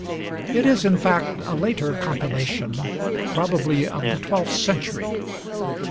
It is in fact a later compilation, probably of the twelth century.